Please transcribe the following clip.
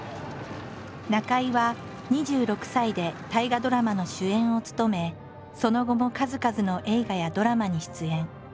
中井は２６歳で大河ドラマの主演を務めその後も数々の映画やドラマに出演。